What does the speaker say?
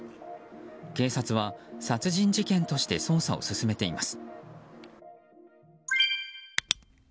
警察は殺人事件として捜査を進めています。